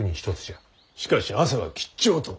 しかし汗は吉兆と。